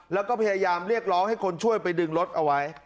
แล้วก็พยายามเรียกร้องให้คนช่วยไปดึงรถเอาไว้